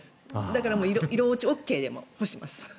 だから色落ちＯＫでも干します。